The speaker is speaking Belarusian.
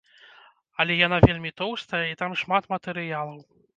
Але яна вельмі тоўстая і там шмат матэрыялаў.